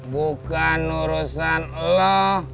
bukan urusan lo